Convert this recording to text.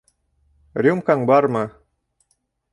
Рюмкаң бармы?